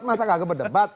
masa kagak berdebat